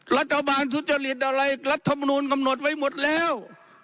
รัฐบาลทุจริตอะไรรัฐมนูลกำหนดไว้หมดแล้ว